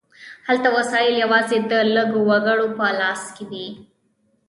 هلته وسایل یوازې د لږو وګړو په لاس کې وي.